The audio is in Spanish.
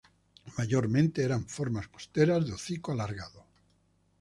Mayormente eran formas costeras de hocico alargado.